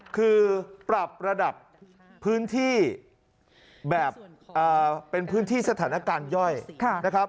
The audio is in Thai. คือปรับระดับพื้นที่แบบเป็นพื้นที่สถานการณ์ย่อยนะครับ